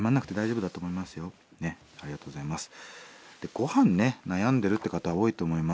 ごはんね悩んでるって方多いと思います。